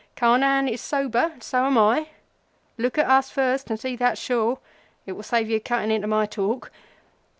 Carnehan is sober, and so am I. Look at us first and see that's sure. It will save you cutting into my talk.